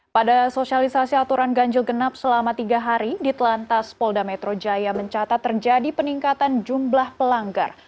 pada sosialisasi aturan ganjil genap selama tiga hari di telantas polda metro jaya mencatat terjadi peningkatan jumlah pelanggar